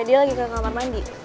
dia lagi ke kamar mandi